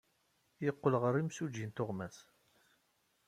Yeqqel ɣer yimsujji n tuɣmas.